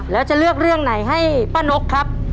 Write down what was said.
แล้วจะเลือกเรื่องไหนให้ป้านกครับ